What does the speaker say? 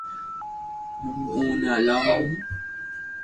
ھون اوني ھلاوُ ھون